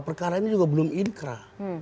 perkara ini juga belum inkrah